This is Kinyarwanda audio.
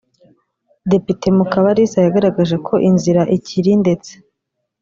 Depite Mukabalisa yagaragaje ko inzira ikiri ndetse